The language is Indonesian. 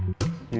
ketemu di pasar